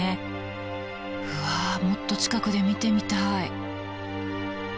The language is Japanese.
うわもっと近くで見てみたい。